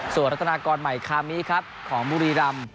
ส่วนรัฐนากรใหม่คามิครับของบุรีรำ